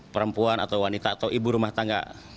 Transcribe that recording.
perempuan atau wanita atau ibu rumah tangga